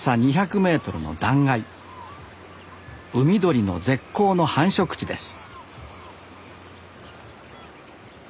海鳥の絶好の繁殖地です